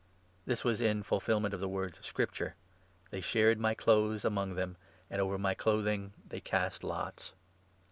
" This was in fulfilment of the words of Scrip ture— ' They shared my clothes among them, And over my clothing they cast lots.'